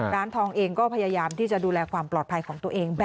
ร้านทองเองก็พยายามที่จะดูแลความปลอดภัยของตัวเอง